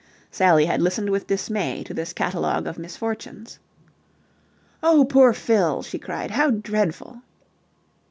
Sally had listened with dismay to this catalogue of misfortunes. "Oh, poor Fill!" she cried. "How dreadful!"